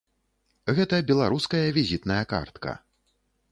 Гэта беларуская візітная картка.